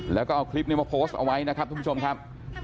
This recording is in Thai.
แล้วก็เอาคลิปนี้มาโพสต์เอาไว้นะครับทุกผู้ชมครับ